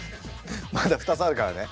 まだ２つあるからね。